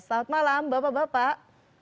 selamat malam bapak bapak